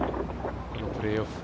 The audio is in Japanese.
このプレーオフ。